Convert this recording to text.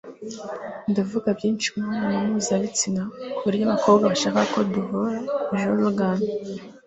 ndavuga byinshi ku mibonano mpuzabitsina ku buryo abakobwa bashaka ko duhura - joe rogan